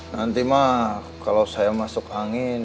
nanti mah kalau saya masuk angin